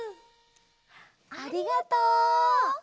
ありがとう！